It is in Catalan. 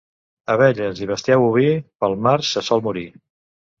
Abelles i bestiar boví pel març se sol morir.